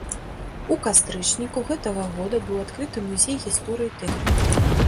У кастрычніку гэтага года быў адкрыты музей гісторыі тэхнікума.